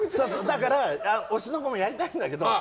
だから「推しの子」もやりたいんだけど。